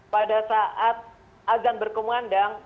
pada saat azan berkemuandang